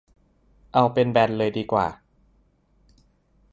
เอาเป็นแบนเลยดีกว่า